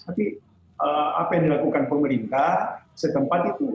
tapi apa yang dilakukan pemerintah setempat itu